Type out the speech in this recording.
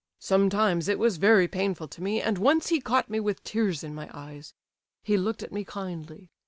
"Sometimes it was very painful to me, and once he caught me with tears in my eyes. He looked at me kindly.